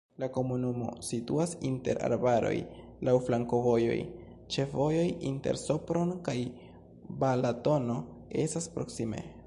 La komunumo situas inter arbaroj, laŭ flankovojoj, ĉefvojo inter Sopron kaj Balatono estas proksime.